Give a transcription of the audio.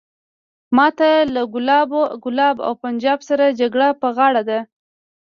ماته له کولاب او پنجاب سره جګړه په غاړه ده.